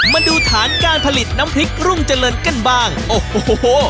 มาดูฐานการผลิตน้ำพริกรุ่งเจริญกันบ้างโอ้โห